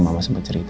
mama sempat cerita